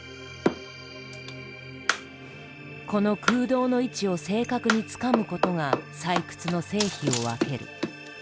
この空洞の位置を正確につかむことが採掘の成否を分ける。